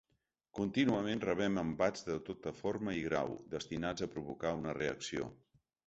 Contínuament rebem embats de tota forma i grau destinats a provocar una reacció.